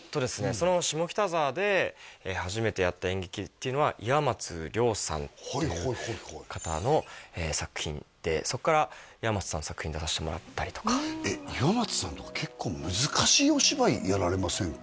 その下北沢で初めてやった演劇っていうのは岩松了さんっていう方の作品でそっから岩松さんの作品に出さしてもらったりとかえっ岩松さんとか結構難しいお芝居やられませんか？